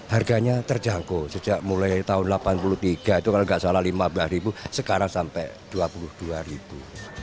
harganya terjangkau sejak mulai tahun seribu sembilan ratus delapan puluh tiga itu kalau tidak salah lima belas ribu sekarang sampai dua puluh dua ribu